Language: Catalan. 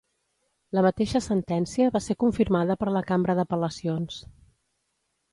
La mateixa sentència va ser confirmada per la cambra d'apel·lacions.